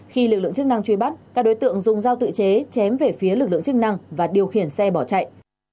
khi lực lượng chức năng truy bắt các đối tượng dùng dao tự chế chém về phía lực lượng chức năng và điều khiển xe bỏ chạy